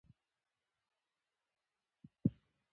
دا قهرماني تله ترتله ژوندي پاتې ده.